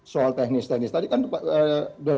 soal teknis teknis tadi kan